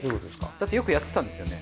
だってよくやってたんですよね？